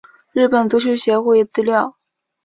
日本足球协会资料